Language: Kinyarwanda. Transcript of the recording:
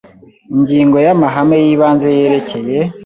Ingingo ya Amahame y ibanze yerekeye